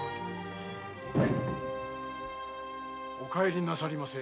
お帰りなされませ。